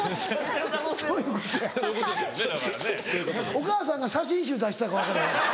お母さんが写真集出してたか分からへん。